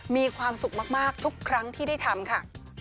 มีความสุขมากทุกครั้งที่ได้ทำค่ะ